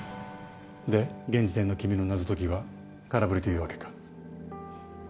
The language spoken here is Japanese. で現時点の君の謎解きは空振りというわけか。